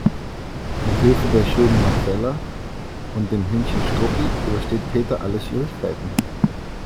Mit Hilfe der schönen Marcella und dem Hündchen Struppi übersteht Peter alle Schwierigkeiten.